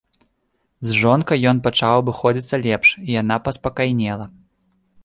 З жонкай ён пачаў абыходзіцца лепш, і яна паспакайнела.